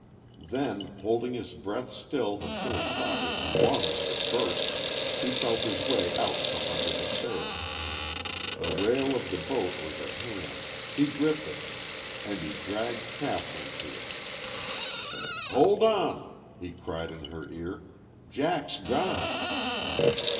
Then, holding his breath still until he thought his lungs would burst, he felt his way out from under the sail. The rail of the boat was at hand; he gripped it. And he dragged Kathryn to it. "Hold on!" he cried in her ear. "Jack's gone!"